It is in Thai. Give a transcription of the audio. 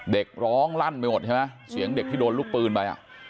เด็กร้องลั่นไปหมดใช่ไหมเสียงเด็กที่โดนลูกปืนไปอ่ะ